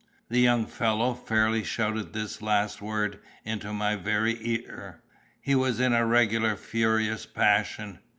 The young fellow fairly shouted this last word into my very ear—he was in a regular furious passion.